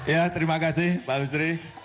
ya terima kasih pak menteri